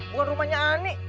bukan rumahnya ani